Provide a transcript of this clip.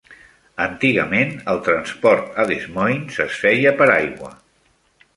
Antigament, el transport a Des Moines es feia per aigua.